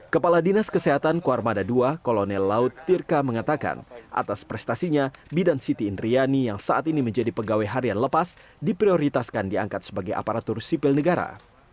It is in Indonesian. kepala dinas kesehatan kuarmada ii kolonel laut tirka mengatakan atas prestasinya bidan siti indriani yang saat ini menjadi pegawai harian lepas diprioritaskan diangkat sebagai aparatur sipil negara